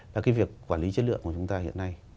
và cái việc quản lý chất lượng của chúng ta hiện nay